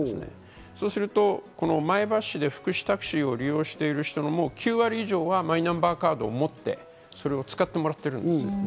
そうすると前橋市で福祉タクシーを利用してる人の９割以上は、マイナンバーカードを持ってそれを使ってもらってるんです。